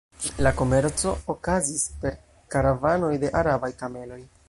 La komerco okazis per karavanoj de arabaj kameloj.